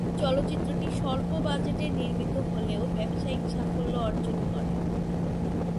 চলচ্চিত্রটি স্বল্প বাজেটে নির্মিত হলেও ব্যবসায়িক সাফল্য অর্জন করে।